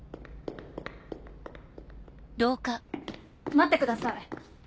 待ってください。